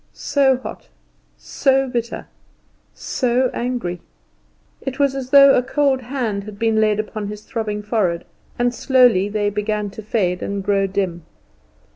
"So hot, so bitter, so angry?" It was as though a cold hand had been laid upon his throbbing forehead, and slowly they began to fade and grow dim.